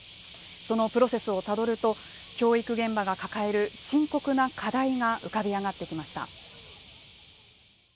そのプロセスをたどると教育現場が抱える深刻な課題が浮かび上がってきました。